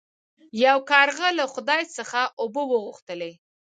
یو کارغه له خدای څخه اوبه وغوښتلې.